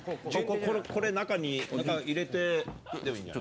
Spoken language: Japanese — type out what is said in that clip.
これ中に入れて。